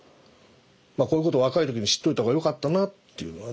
こういうこと若い時に知っといたほうがよかったなっていうのはね。